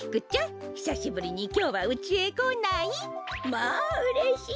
まあうれしい。